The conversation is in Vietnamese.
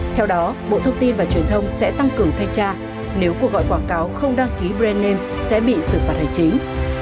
theo đó bộ thông tin và truyền thông sẽ tăng cường thanh tra nếu cuộc gọi quảng cáo không đăng ký brand name sẽ bị xử phạt hành chính